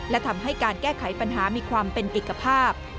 และทำให้การแก้ไขปัญหามีความเป็นเอกภาพ